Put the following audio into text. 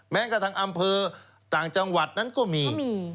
แม้งกระทั่งอำเภอกว่าทางจังหวัดนั่นก็มี